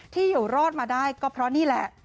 ที่อยู่รอดมาได้ก็เพราะนี่แหละ